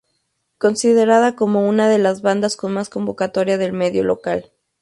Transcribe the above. Considerada como una de las bandas con más convocatoria del medio local.